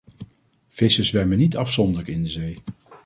Vissen zwemmen niet afzonderlijk in de zee.